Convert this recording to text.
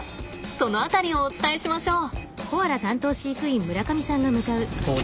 その辺りをお伝えしましょう。